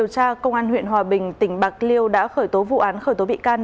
cơ quan cảnh sát điều tra công an huyện hòa bình tỉnh bạc liêu đã khởi tố vụ án khởi tố bị can